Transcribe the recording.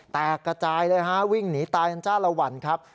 แตกกระจายเลยฮะวิ่งหนีตายกันจ้าละวันครับ